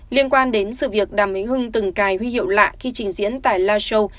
liên quan đến sự việc đàm vĩnh hưng từng cài huy hiệu lạ khi trình diễn tại live show